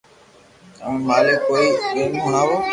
تمي مالڪ ڪوئي زريعو ھڻاوہ